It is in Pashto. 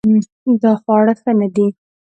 دا خواړه ښه نه دي